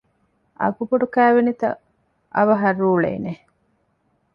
އަގުބޮޑު ކައިވެނިތައް އަވަހަށް ރޫޅޭނެ؟